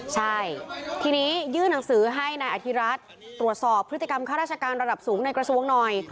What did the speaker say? ใช่ทีนี้ยื่นหนังสือให้นายอธิรัฐตรวจสอบพฤติกรรมข้าราชการระดับสูงในกระทรวงหน่อย